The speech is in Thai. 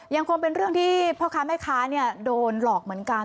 ยังคงเป็นเรื่องที่พ่อค้าแม่ค้าโดนหลอกเหมือนกัน